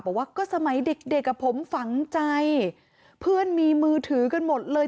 บอกว่าก็สมัยเด็กเด็กอ่ะผมฝังใจเพื่อนมีมือถือกันหมดเลย